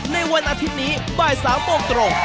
ในวันอาทิตย์นี้บ่าย๓โมงตรง